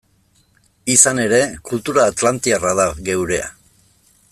Izan ere, kultura atlantiarra da geurea.